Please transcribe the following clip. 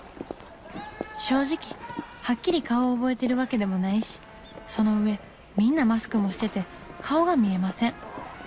正直はっきり顔を覚えているわけでもないしその上みんなマスクもしてて顔が見えません。